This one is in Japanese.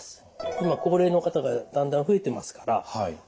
今高齢の方がだんだん増えてますから膀胱がん